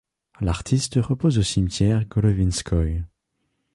L'artiste repose au cimetière Golovinskoïe.